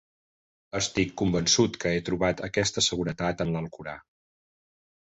Estic convençut que he trobat aquesta seguretat en l'Alcorà.